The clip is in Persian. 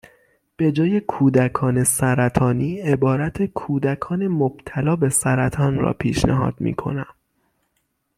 به جای کودکان سرطانی، عبارت کودکان مبتلا به سرطان را پیشنهاد میکنم